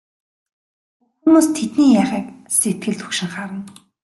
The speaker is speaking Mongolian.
Бүх хүмүүс тэдний яахыг сэтгэл түгшин харна.